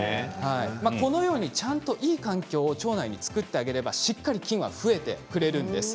このようにちゃんといい環境を腸内に作ってあげれば、しっかり菌が増えてくれるんです。